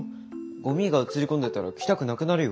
ゴミが映り込んでたら来たくなくなるよ。